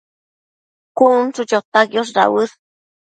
cun chu chota quiosh dauës